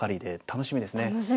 楽しみですね。